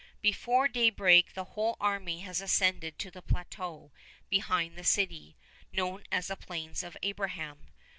Before daybreak the whole army has ascended to the plateau behind the city, known as the Plains of Abraham.